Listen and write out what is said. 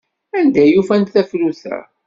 Anda ay ufant tafrut-a?